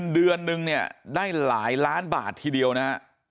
เดือนนึงเนี่ยได้หลายล้านบาททีเดียวนะฮะ